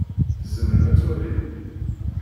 Tzemrem ad twalim?